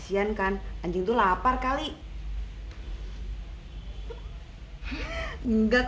tentang bawa cewek